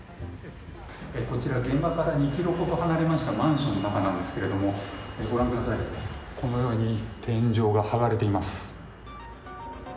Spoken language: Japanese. こちら現場から２ｋｍほど離れましたマンションですがご覧ください、このように天井が剥がれています。